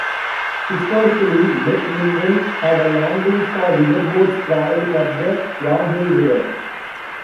Historically, McMinnville had a landing for riverboats traveling up the Yamhill River.